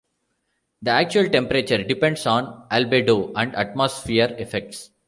The actual temperature depends on albedo and atmosphere effects.